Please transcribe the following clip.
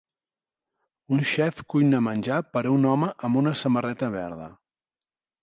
Un xef cuina menjar per a un home amb una samarreta verda